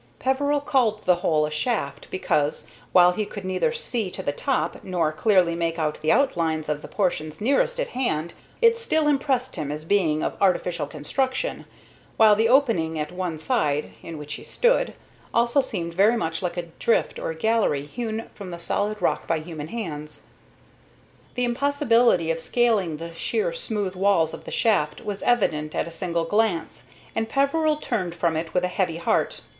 Peveril called the hole a shaft, because, while he could neither see to the top nor clearly make out the outlines of the portions nearest at hand, it still impressed him as being of artificial construction, while the opening at one side, in which he stood, also seemed very much like a drift or gallery hewn from the solid rock by human hands. The impossibility of scaling the sheer, smooth walls of the shaft was evident at a single glance, and Peveril turned from it with a heavy heart.